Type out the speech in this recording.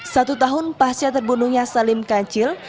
satu tahun pasca terbunuhnya salim kancil